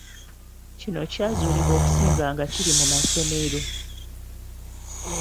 Kino kyazuulibwa okusinga nga kiri mu masomero